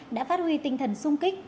đã phát huy tinh thần sung kích